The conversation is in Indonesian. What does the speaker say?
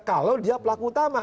kalau dia pelaku utama